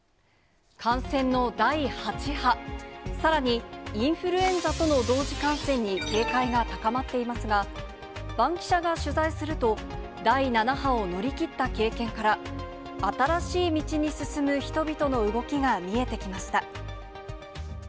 感染の第８波、さらに、インフルエンザとの同時感染に警戒が高まっていますが、バンキシャ！が取材すると、第７波を乗り切った経験から、新しい道に進む人々の動きが見えてきました。